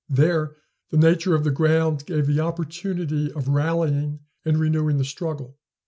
There the nature of the ground gave the opportunity of rallying and renewing the struggle.